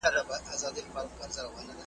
د خُم له وچو شونډو محتسب دی باج اخیستی .